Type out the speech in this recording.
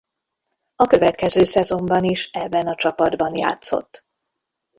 A következő szezonban is ebben a csapatban játszott.